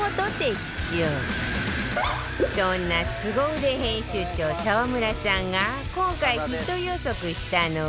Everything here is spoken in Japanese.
そんなすご腕編集長澤村さんが今回ヒット予測したのは